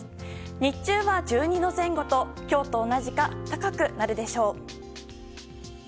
日中は１２度前後と今日と同じか高くなるでしょう。